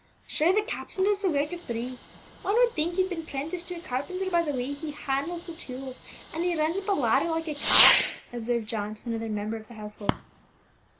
"Sure the captain does the work of three. One would think he'd been 'prenticed to a carpenter by the way he handles the tools; and he runs up a ladder like a cat," observed John to another member of the household.